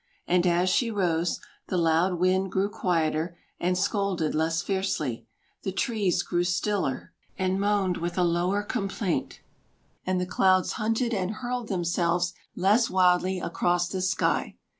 And as she rose, the loud wind grew quieter, and scolded less fiercely, the trees grew stiller, and moaned with a lower complaint, and the clouds hunted and hurled themselves less wildly across the sky.